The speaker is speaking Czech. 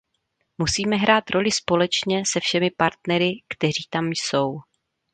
Musíme hrát roli společně se všemi partnery, kteří tam jsou.